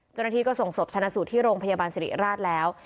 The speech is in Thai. เจ้าหน้าที่ก็ส่งศพชนะสูตรที่โรงพยาบาลสิริราชแล้ว